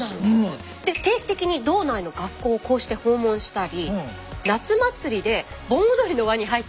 定期的に道内の学校をこうして訪問したり夏祭りで盆踊りの輪に入ったりと。